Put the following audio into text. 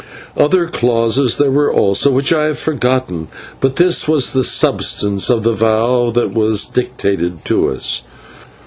Other clauses there were also which I have forgotten, but this was the substance of the vow that was dictated to us.